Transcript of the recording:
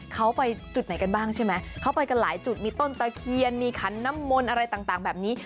เขาไปจุดไหนกันบ้างใช่ไหมเขาไปกันหลายจุดมีต้นตะเคียนมีขันน้ำมนต์อะไรต่างแบบนี้